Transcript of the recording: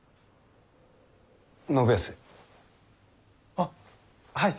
あっはい。